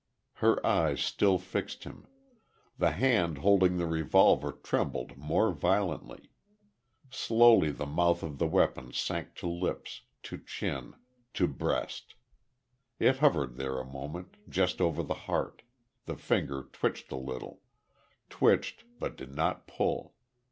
Her eyes still fixed him.... The hand holding the revolver trembled more violently. Slowly the mouth of the weapon sank to lips to chin to breast.... It hovered there a moment, just over the heart the finger twitched a little twitched but did not pull.